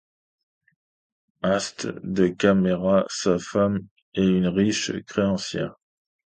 Astes de Camera, sa femme, est une riche créancière.